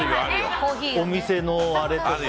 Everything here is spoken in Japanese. お店のあれとか。